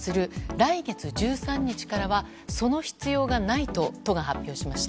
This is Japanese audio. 来月１３日からはその必要がないと都が発表しました。